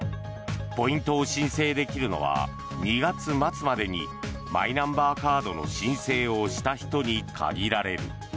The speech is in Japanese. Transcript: ポイントを申請できるのは２月末までにマイナンバーカードの申請をした人に限られる。